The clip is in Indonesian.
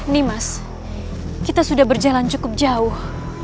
nih mas kita sudah berjalan cukup jauh